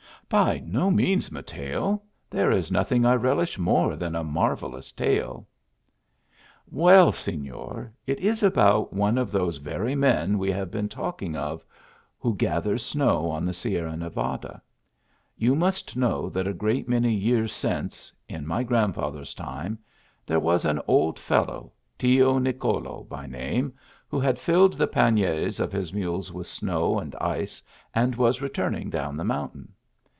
"By no means, Mateo. There is nothing I relish more than a marvellous tale." " Well, Senor, it is about one r f those very men we have been talking of, who gather snow on the A RAMBLE AMONG THE HILLS. 89 Sierra Nevada. You must know that a great many years since, in my grandfather s time, there was an old feliow, Tio Nicolo by name, who had filled the panniers of his mules with snow and ice, and was returning down the mountain.